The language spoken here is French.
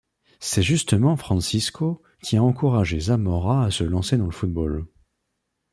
C'est justement Francisco qui a encouragé Zamora à se lancer dans le football.